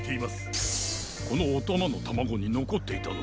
このおたまのタマゴにのこっていたのは。